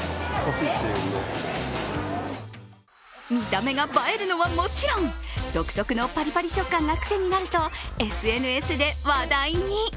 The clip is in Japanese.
見た目が映えるのはもちろん独特のパリパリ食感がクセになるとＳＮＳで話題に。